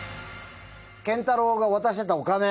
健太郎が渡してたお金。